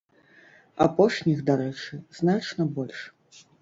Апошніх, дарэчы, значна больш.